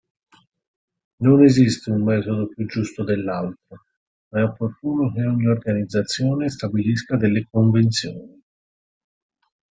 Non esiste un metodo più giusto dell'altro, ma è opportuno che ogni organizzazione stabilisca delle convenzioni.